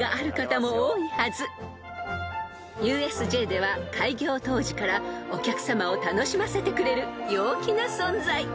［ＵＳＪでは開業当時からお客さまを楽しませてくれる陽気な存在］